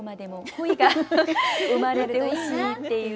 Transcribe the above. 恋が生まれてほしいっていうね。